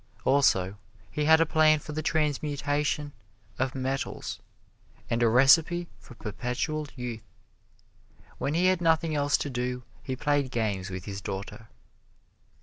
Also, he had a plan for the transmutation of metals and a recipe for perpetual youth. When he had nothing else to do, he played games with his daughter.